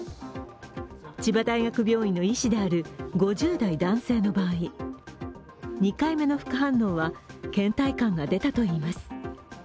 千葉大学病院の医師である５０代男性の場合、２回目の副反応は、けん怠感が出たといいます。